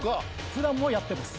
普段もやってます。